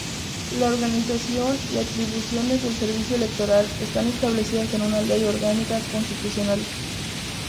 La organización y atribuciones del Servicio Electoral están establecidas en una ley orgánica constitucional.